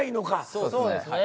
そうですね。